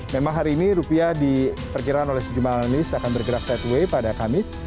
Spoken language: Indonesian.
memang hari ini rupiah diperkirakan oleh sejumlah anonis akan bergerak sideways pada kamis